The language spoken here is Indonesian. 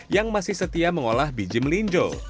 yang masih setia mengolah biji melinjo